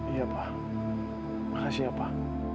iya pak makasih ya pak